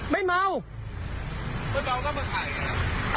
ไม่เมา